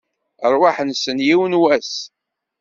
Rrwaḥ-nsen, yiwen n wass!